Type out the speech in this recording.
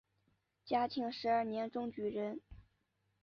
嘉庆十二年中举人。